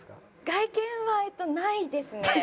外見はえっとないですね。